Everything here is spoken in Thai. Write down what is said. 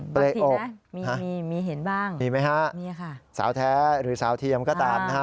เปลยอกมีเห็นบ้างมีไหมคะสาวแท้หรือสาวเทียมก็ตาม